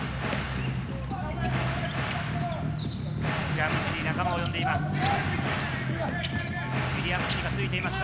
ジャムシディ、仲間を呼んでいます。